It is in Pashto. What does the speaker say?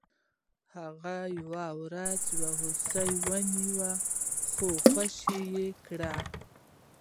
هغه یوه ورځ یو هوسۍ ونیوله خو خوشې یې کړه.